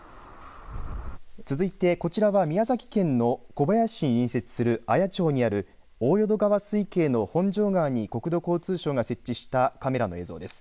続いてこちらは宮崎県の小林市に隣接する綾町にある国土交通省が設置したカメラの映像です。